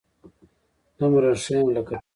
دومره ښه يم لکه ته